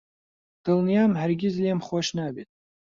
دڵنیام هەرگیز لێم خۆش نابێت.